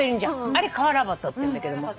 あれカワラバトっていうんだけども。